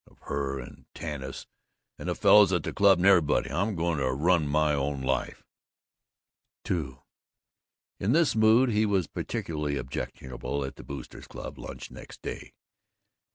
Of her and Tanis and the fellows at the club and everybody. I'm going to run my own life!" II In this mood he was particularly objectionable at the Boosters' Club lunch next day.